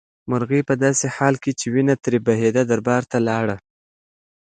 مرغۍ په داسې حال کې چې وینه ترې بهېده دربار ته لاړه.